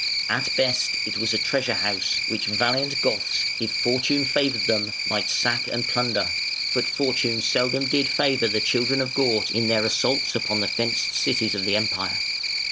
At best it was a treasure house, which valiant Goths, if Fortune favoured them, might sack and plunder: but Fortune seldom did favour the children of Gaut in their assaults upon the fenced cities of the Empire.